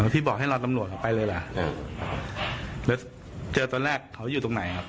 พี่บอกให้รอตำรวจเขาไปเลยล่ะแล้วเจอตอนแรกเขาอยู่ตรงไหนครับ